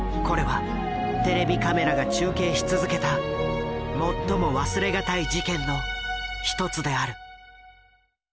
これはテレビカメラが中継し続けた最も忘れがたい事件の一つである。